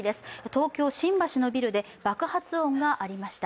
東京・新橋のビルで爆発音がありました。